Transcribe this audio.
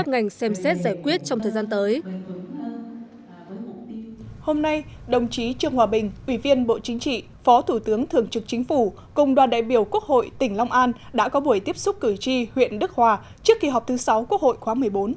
phó thủ tướng trung hòa bình ủy viên bộ chính trị phó thủ tướng thường trực chính phủ cùng đoàn đại biểu quốc hội tỉnh long an đã có buổi tiếp xúc cử tri huyện đức hòa trước kỳ họp thứ sáu quốc hội khóa một mươi bốn